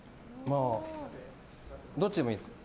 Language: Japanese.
どっちでもいいですか？